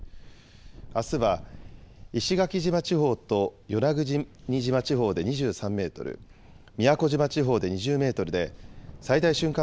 あすは石垣島地方と与那国島地方で２３メートル、宮古島地方で２０メートルで最大瞬間